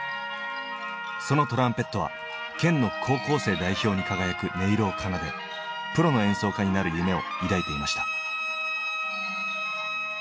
そのトランペットは県の高校生代表に輝く音色を奏でプロの演奏家になる夢を抱いていました。